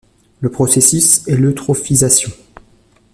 Le processus est l'eutrophisation.